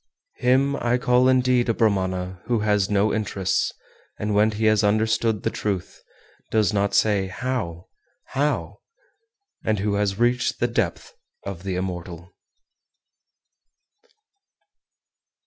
411. Him I call indeed a Brahmana who has no interests, and when he has understood (the truth), does not say How, how? and who has reached the depth of the Immortal.